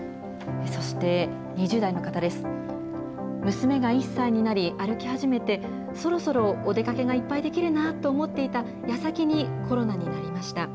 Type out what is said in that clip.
娘が１歳になり、歩き始めて、そろそろお出かけがいっぱいできるなと思っていたやさきに、コロナになりました。